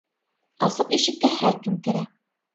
Асыҡ ишеккә һәр кем керә.